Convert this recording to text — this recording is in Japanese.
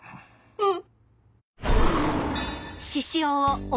うん。